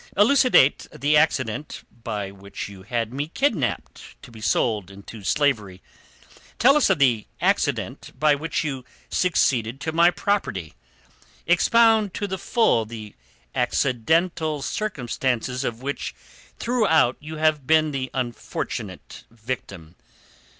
Elucidate the accident, by which you had me kidnapped to be sold into slavery. Tell us of the accident by which you succeeded to my property. Expound to the full the accidental circumstances of which throughout you have been the unfortunate victim.